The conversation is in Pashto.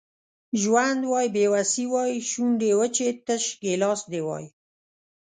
ژوند وای بې وسي وای شونډې وچې تش ګیلاس دي وای